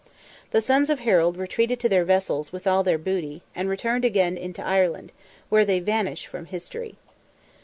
The sons of Harold retreated to their vessels with all their booty, and returned again into Ireland, where they vanish from history.